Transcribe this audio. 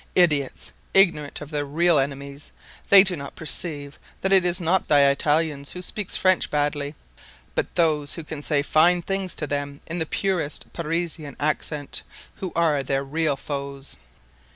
Idiots! ignorant of their real enemies, they do not perceive that it is not the Italian who speaks French badly, but those who can say fine things to them in the purest Parisian accent, who are their real foes.